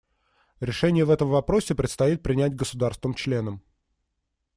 Решение в этом вопросе предстоит принять государствам-членам.